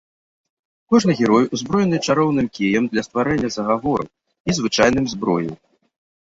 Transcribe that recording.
Кожны герой узброены чароўным кіем для стварэння загавораў і звычайным зброяй.